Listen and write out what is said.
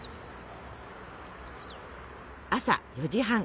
朝４時半。